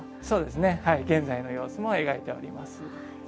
そうですね現在の様子も描いております。